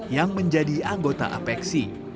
yang menjadi anggota apexi